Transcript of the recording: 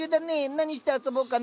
何して遊ぼうかな？